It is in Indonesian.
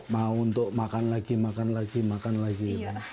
mau untuk makan lagi makan lagi makan lagi